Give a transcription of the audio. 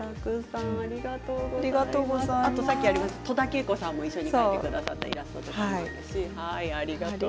さっきありました戸田恵子さんも一緒に描いてくださったりしています。